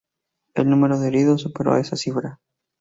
El número de heridos superó esa cifra.